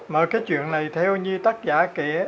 mà cái chuyện này theo như tác giả kể